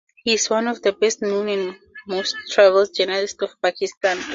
He is one of the best known and most travelled journalist of Pakistan.